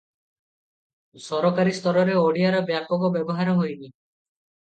ସରକାରୀ ସ୍ତରରେ ଓଡ଼ିଆର ବ୍ୟାପକ ବ୍ୟବହାର ହୋଇନି ।